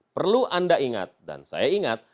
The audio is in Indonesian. perlu anda ingat dan saya ingat